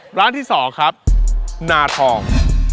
ร้านที่๒ครับนาทอง